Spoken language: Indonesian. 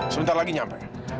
sebentar lagi nyampe